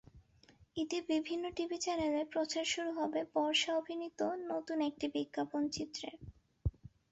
ঈদে বিভিন্ন টিভি চ্যানেলে প্রচার শুরু হবে বর্ষা অভিনীত নতুন একটি বিজ্ঞাপনচিত্রের।